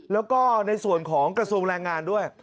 แล้วก็ในส่วนของกระทรวงแรงงานด้วย